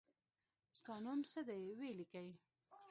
ستا نوم څه دی وي لیکی